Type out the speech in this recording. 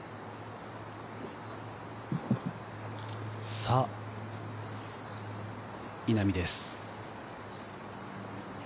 さぁ稲見です。